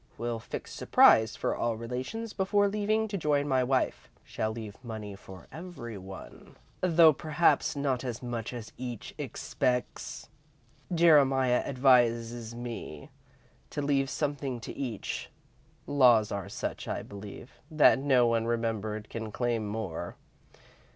Will fix surprise for all Relations before leaving to join my wife. Shall leave money to every one, though perhaps not as much as each expects. Jeremiah advises me to leave something to each. Laws are such, I believe, that no one remembered can claim more.